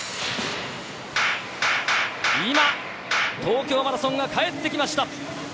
今、東京マラソンが帰ってきました！